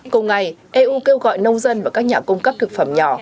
cùng ngày eu kêu gọi nông dân và các nhà cung cấp thực phẩm nhỏ